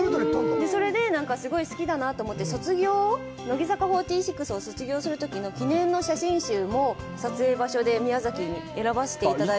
それで、すごい好きだなと思って、卒業、乃木坂４６を卒業するときの記念の写真集も、撮影場所で宮崎に選ばせていただいて。